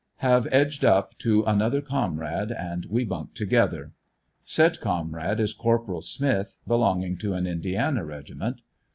Have edged up to another comrade and we bunk together. Said comrade is Corporal Smith, belonging to an Indiana regiment.